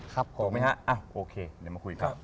ถูกไหมฮะโอเคเดี๋ยวมาคุยกัน